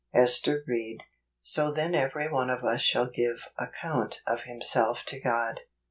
Ester Hied. " So then every one of us shall give account of himself to God."